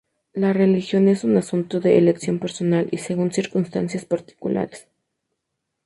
La religión es un asunto de elección personal y según circunstancias particulares.